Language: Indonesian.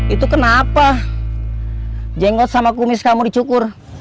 itu kenapa jenggot sama kumis kamu dicukur